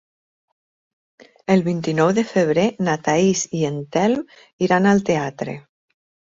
El vint-i-nou de febrer na Thaís i en Telm iran al teatre.